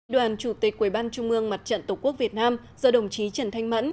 đoàn chủ tịch quỳ ban trung mương mặt trận tổ quốc việt nam do đồng chí trần thanh mẫn